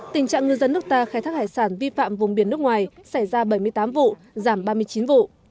tình trạng ngư dân nước ta khai thác hải sản vi phạm vùng biển nước ngoài xảy ra bảy mươi tám vụ giảm ba mươi chín vụ